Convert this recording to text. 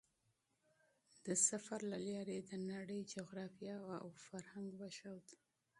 د سفر له لارې یې د نړۍ جغرافیه او فرهنګ وښود.